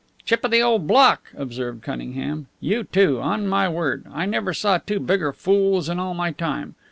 "Chip of the old block!" observed Cunningham. "You two! On my word, I never saw two bigger fools in all my time!